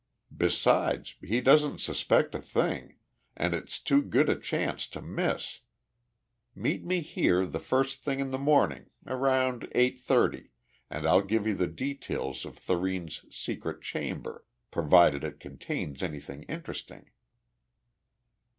Besides, he doesn't suspect a thing and it's too good a chance to miss. Meet me here the first thing in the morning around eight thirty and I'll give you the details of Thurene's secret chamber, provided it contains anything interesting."